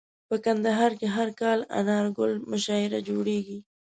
په کندهار کي هر کال انارګل مشاعره جوړیږي.